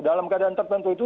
dalam keadaan tertentu itu